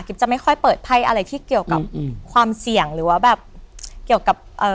จะไม่ค่อยเปิดไพ่อะไรที่เกี่ยวกับอืมความเสี่ยงหรือว่าแบบเกี่ยวกับเอ่อ